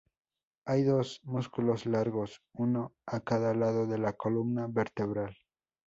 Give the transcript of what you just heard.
Hay dos músculos largos, uno a cada lado de la columna vertebral.